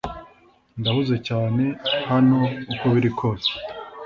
Ndahuze cyane hano uko biri kose